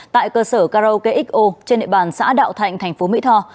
tại cơ sở carrow kxo trên địa bàn xã đạo thạnh tp mỹ tho